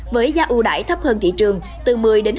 với giá ưu đải thấp hơn thị trường từ một mươi ba mươi